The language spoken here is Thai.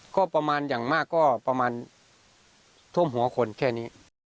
ก็ประมาณอย่างมากก็ประมาณท่วมหัวคนแค่นี้